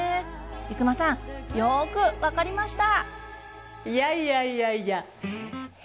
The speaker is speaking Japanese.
伊熊さん、よく分かりました。